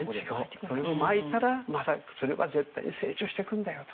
それをまいたらまたそれは絶対に成長してくんだよと。